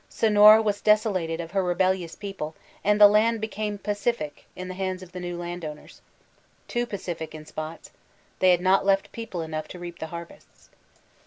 Sonora was desolated of her rebellious people, and the land became "pacific" in the hands of the new landowners. Too pacific in spots. They had not left people enough to reap the harvests.